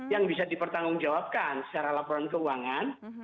yang bisa dipertanggung jawabkan secara laporan keuangan